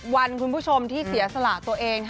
วันคุณผู้ชมที่เสียสละตัวเอง